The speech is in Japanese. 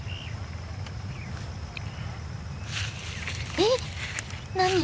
えっ何？